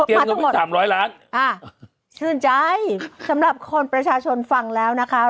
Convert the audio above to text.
เงินที่สามร้อยล้านอ่าชื่นใจสำหรับคนประชาชนฟังแล้วนะคะ